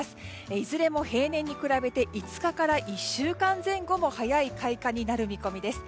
いずれも平年に比べて５日から１週間前後も早い開花になる見込みです。